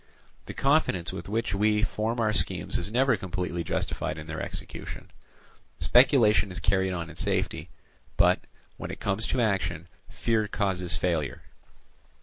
The confidence with which we form our schemes is never completely justified in their execution; speculation is carried on in safety, but, when it comes to action, fear causes failure.